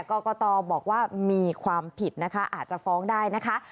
กรกตบอกว่ามีความผิดนะคะอาจจะฟ้องได้นะคะ